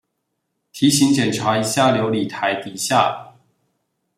提醒檢查一下流理台底下